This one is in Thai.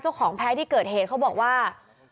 เจ้าของแพ้ที่เกิดเหตุเขาบอกว่า